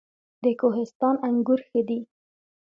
د کوهستان انګور ښه دي